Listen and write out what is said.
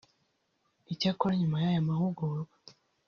Icyakora nyuma y’aya mahugurwa